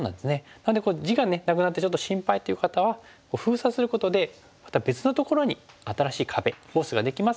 なので地がなくなってちょっと心配という方は封鎖することでまた別のところに新しい壁フォースができます